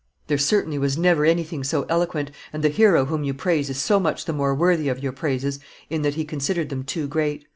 There certainly was never anything so eloquent, and the hero whom you praise is so much the more worthy of your praises in that he considered them too great.